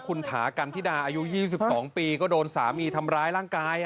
คุณถากันธิดาอายุ๒๒ปีก็โดนสามีทำร้ายร่างกาย